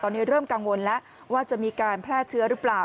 ตอนนี้เริ่มกังวลแล้วว่าจะมีการแพร่เชื้อหรือเปล่า